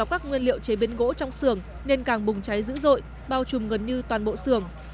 các nguyên liệu chế biến gỗ trong xưởng nên càng bùng cháy dữ dội bao trùm gần như toàn bộ xưởng